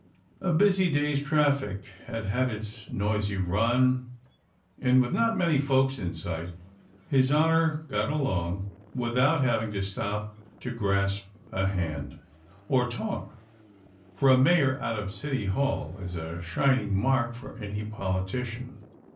A busy day's traffic had had its noisy run; and with not many folks in sight, His Honor got along without having to stop to grasp a hand, or talk; for a Mayor out of City Hall is a shining mark for any politician.